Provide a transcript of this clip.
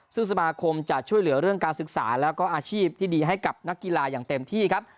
ซึ่งสมาคมจะช่วยเหลือเรื่องการศึกษาแล้วก็อาชีพที่ดีให้กับนักกีฬาอย่างเต็มที่ครับ